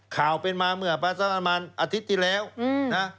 ข่าวเป็นมาเมื่อสักประมาณอาทิตย์ที่แล้วนะ